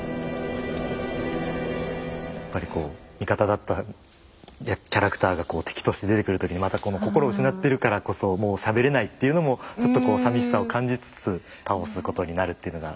やっぱりこう味方だったキャラクターが敵として出てくる時にまたこの心を失ってるからこそもうしゃべれないというのもちょっとさみしさを感じつつ倒すことになるというのが。